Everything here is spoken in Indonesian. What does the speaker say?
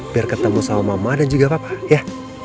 biar ketemu sama mama dan juga papa ya